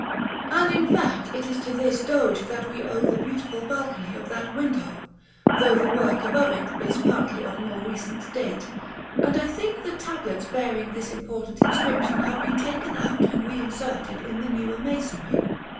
And in fact it is to this Doge that we owe the beautiful balcony of that window, though the work above it is partly of more recent date; and I think the tablets bearing this important inscription have been taken out and reinserted in the newer masonry.